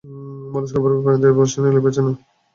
Mollusca পর্বের প্রাণীদের পৌষ্টিকনালি প্যাঁচানো।